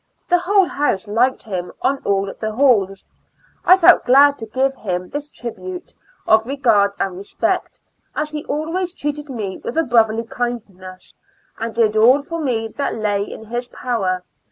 The whole house like him on all the halls. I feel glad to give him this tribute of regard and respect, as he always treated me with a brotherly kindness, and did all for me that lay in his power.